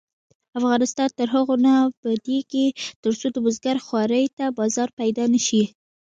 افغانستان تر هغو نه ابادیږي، ترڅو د بزګر خوارۍ ته بازار پیدا نشي.